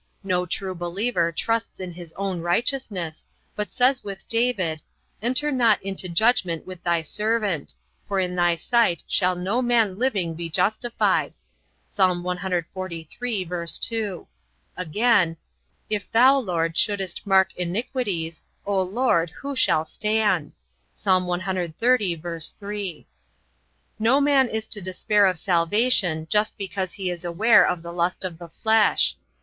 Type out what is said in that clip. No true believer trusts in his own righteousness, but says with David, "Enter not into judgment with thy servant; for in thy sight shall no man living be justified." (Ps. 143:2) Again, "If thou, Lord, shouldest mark iniquities, O Lord, who shall stand?" (Ps. 130:3.) No man is to despair of salvation just because he is aware of the lust of the flesh.